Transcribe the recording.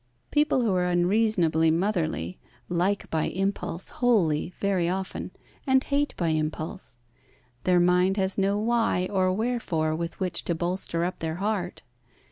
People who are unreasonably motherly like by impulse wholly very often, and hate by impulse. Their mind has no why or wherefore with which to bolster up their heart.